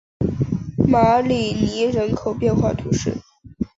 马里尼人口变化图示